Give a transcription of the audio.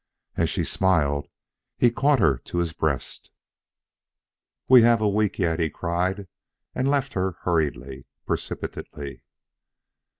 As she smiled, he caught her to his breast. "We have yet a week," he cried, and left her hurriedly, precipitately.